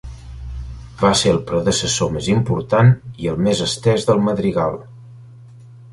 Va ser el predecessor més important i el més estès del madrigal.